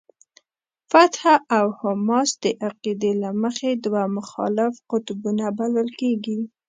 فتح او حماس د عقیدې له مخې دوه مخالف قطبونه بلل کېږي.